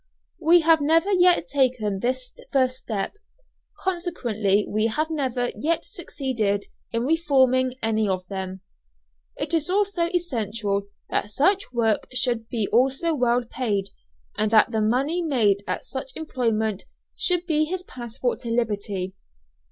We have never yet taken this first step, consequently we have never yet succeeded in reforming any of them. It is also essential that such work should be also well paid, and that the money made at such employment should be his passport to liberty.